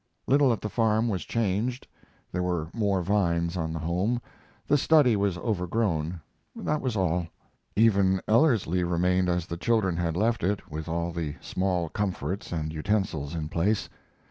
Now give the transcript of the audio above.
Little at the farm was changed. There were more vines on the home the study was overgrown that was all. Even Ellerslie remained as the children had left it, with all the small comforts and utensils in place.